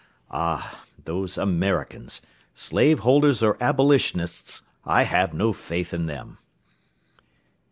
Ah! those Americans, slave holders or Abolitionists, I have no faith in them!"